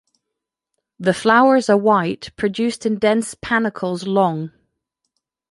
The flowers are white, produced in dense panicles long.